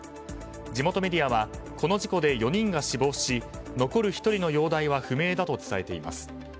地元メディアはこの事故で４人が死亡し残る１人の容体は不明だと伝えています。